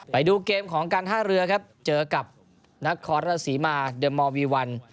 ไปดูเกมของการท่าเรือครับเจอกับนครราชศรีมาเดอร์มอลวีวัน